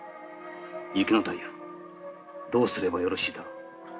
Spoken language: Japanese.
雪野太夫どうすればよろしいだろう？